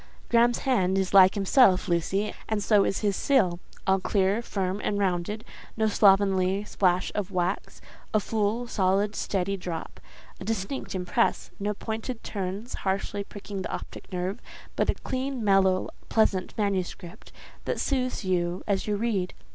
Graham's hand is like himself, Lucy, and so is his seal—all clear, firm, and rounded—no slovenly splash of wax—a full, solid, steady drop—a distinct impress; no pointed turns harshly pricking the optic nerve, but a clean, mellow, pleasant manuscript, that soothes you as you read.